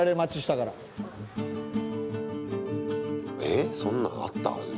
えっ、そんなんあった？